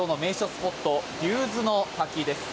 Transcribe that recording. スポット竜頭の滝です。